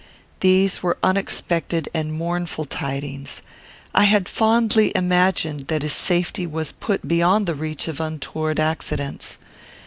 These were unexpected and mournful tidings. I had fondly imagined that his safety was put beyond the reach of untoward accidents.